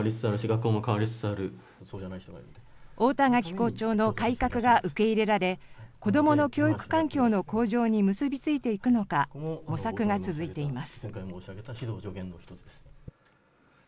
校長の改革が受け入れられ、子どもの教育環境の向上に結び付いていくのか、模索が続いています。